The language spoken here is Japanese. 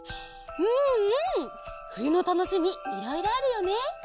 うんうんふゆのたのしみいろいろあるよね。